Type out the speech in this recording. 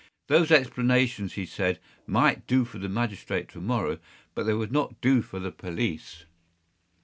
Those explanations, he said, might do for the magistrate to morrow, but they would not do for the police.